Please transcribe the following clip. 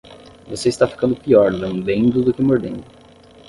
Você está ficando pior lambendo do que mordendo.